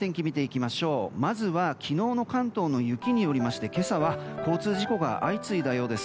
まずは昨日の関東の雪によりまして今朝は交通事故が相次いだようです。